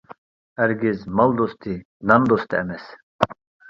ھەرگىز مال دوستى، نان دوستى ئەمەس.